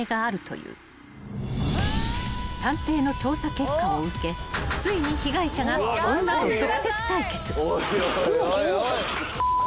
［探偵の調査結果を受けついに被害者が女と直接対決］